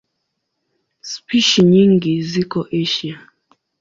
Spishi nyingi ziko Asia.